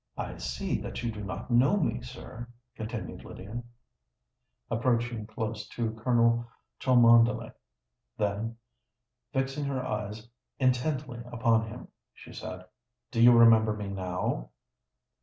"I see that you do not know me, sir," continued Lydia, approaching close to Colonel Cholmondeley: then, fixing her eyes intently upon him, she said, "Do you remember me now?"